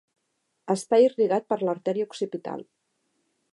Està irrigat per l'artèria occipital.